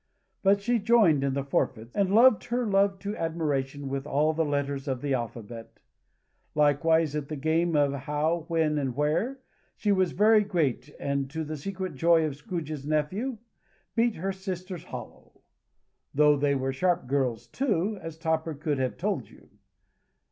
But she joined in the forfeits, and loved her love to admiration with all the letters of the alphabet. Likewise at the game of How, When, and Where, she was very great, and, to the secret joy of Scrooge's nephew, beat her sisters hollow: though they were sharp girls too, as Topper could have told you.